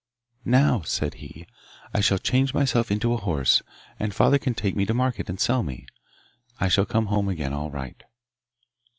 'Now,' said he, 'I shall change myself to a horse, and father can take me to market and sell me. I shall come home again all right.